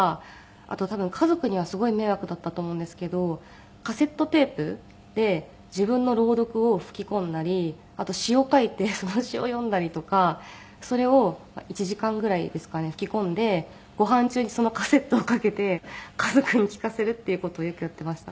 あと多分家族にはすごい迷惑だったと思うんですけどカセットテープで自分の朗読を吹き込んだりあと詩を書いてその詩を読んだりとかそれを１時間ぐらいですかね吹き込んでご飯中にそのカセットをかけて家族に聴かせるっていう事をよくやっていました。